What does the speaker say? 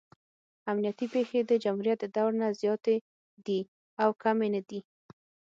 امنیتي پېښې د جمهوریت د دور نه زیاتې دي او کمې نه دي.